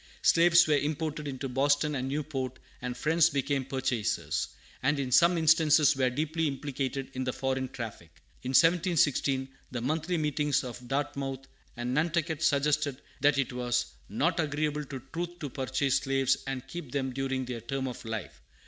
Slaves were imported into Boston and Newport, and Friends became purchasers, and in some instances were deeply implicated in the foreign traffic. In 1716, the monthly meetings of Dartmouth and Nantucket suggested that it was "not agreeable to truth to purchase slaves and keep them during their term of life."